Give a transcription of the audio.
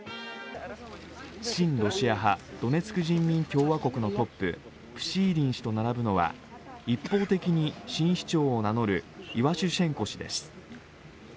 親ロシア派ドネツク人民共和国のトッププシーリン氏と並ぶのは一方的に新市長を名乗るイワシュシェンコ氏です。